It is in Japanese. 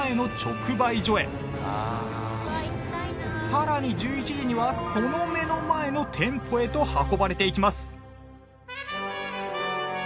さらに１１時にはその目の前の店舗へと運ばれていきます。